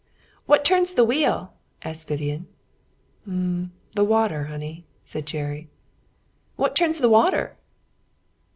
"What turns the wheel?" asked Vivian. "The water, honey," said Jerry. "What turns the water?"